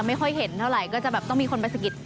ไม่ค่อยเห็นเท่าไหร่ก็จะแบบต้องมีคนไปสะกิด